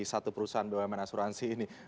satu perusahaan bumn asuransi ini